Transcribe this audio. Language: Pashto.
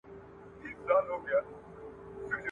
ماته مي مور ماته مي پلار ماته مُلا ویله !.